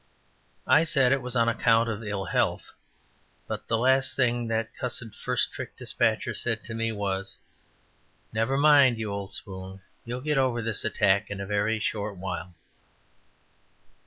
I said it was on account of ill health, but the last thing that cussed first trick despatcher said to me was, "Never mind, you old spoon, you'll get over this attack in a very short while."